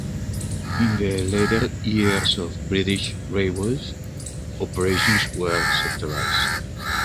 In the latter years of British Railways, operations were sectorised.